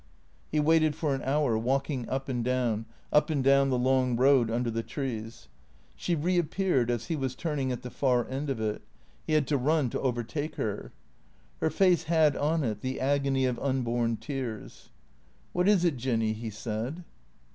He waited for an hour, walking up and down, up and down the long road under the trees. She reappeared as he was turn ing at the far end of it. He had to run to overtake her. Her face had on it the agonv of unborn tears. "What is it. Jinny?" he said.